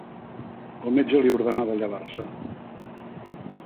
El metge li ordenà de llevar-se.